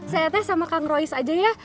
saya teh sama kang rois aja ya